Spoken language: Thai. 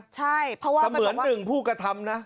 เสมือนหนึ่งผู้กระทำนะ